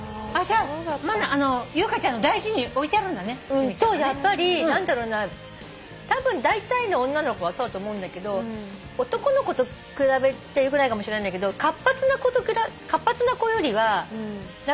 じゃあ優香ちゃんの大事に置いてあるんだね。とやっぱり何だろうなたぶんだいたいの女の子はそうだと思うんだけど男の子と比べちゃよくないかもしれないんだけど活発な子よりは。